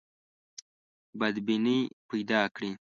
بدبیني پیدا کړي.